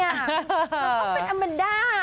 มันก็เป็นอเมนดา